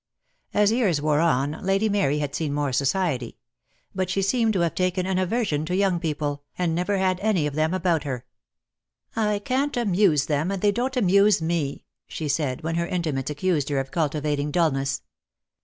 As years wore on Lady Mary had seen more society; but she seemed to have taken an aversion to young people, and never had any of them about her. ■■.^ DEAD LOVE HAS CHAINS. "I can't amuse them, and they don't amuse me, she said, when her intimates accused her of cultivat ing dulness.